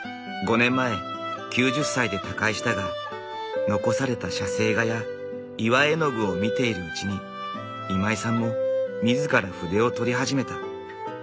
５年前９０歳で他界したが残された写生画や岩絵の具を見ているうちに今井さんも自ら筆をとり始めた。